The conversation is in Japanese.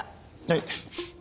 はい。